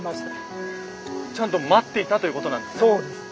ちゃんと待っていたということなんですね？